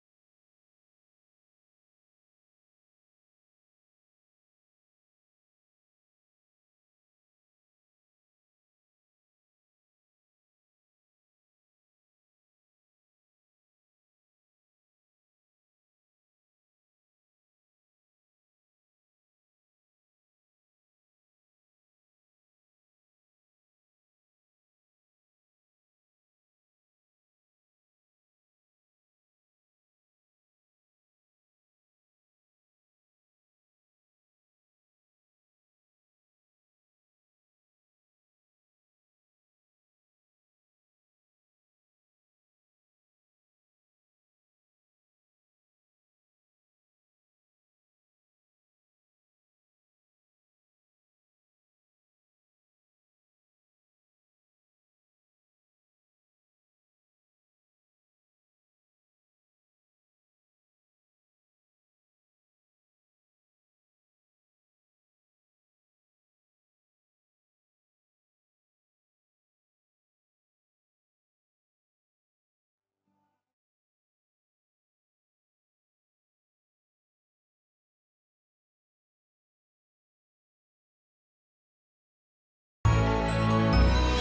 itu orang orang juga mengambil buah diri